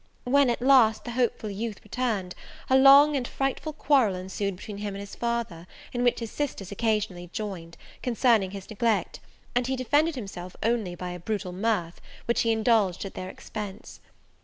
When, at last, the hopeful youth returned, a long and frightful quarrel ensued between him and his father, in which his sisters occasionally joined, concerning his neglect; and he defended himself only by a brutal mirth, which he indulged at their expense.